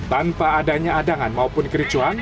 tanpa adanya adangan maupun kericuan